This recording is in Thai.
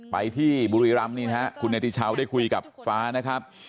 ไปที่บุรีรัมน์คุณเนธิเช้าได้คุยกับฟ้านะครับ